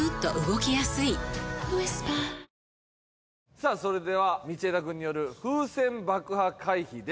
さあそれでは道枝くんによる風船爆破回避です。